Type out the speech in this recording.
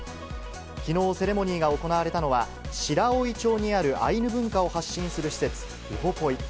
きのう、セレモニーが行われたのは、白老町にあるアイヌ文化を発信する施設、ウポポイ。